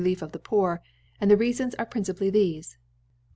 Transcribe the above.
lief of the Poor ; and the Reafons are principally thefe: i.